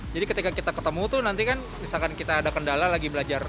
ketika kita ketemu tuh nanti kan misalkan kita ada kendala lagi belajar